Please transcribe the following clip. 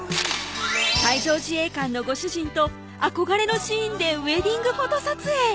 海上自衛官のご主人と憧れのシーンでウエディングフォト撮影